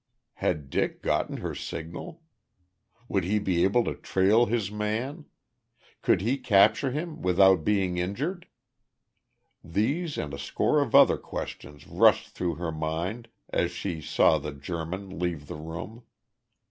Had Dick gotten her signal? Would he be able to trail his man? Could he capture him without being injured? These and a score of other questions rushed through her mind as she saw the German leave the room.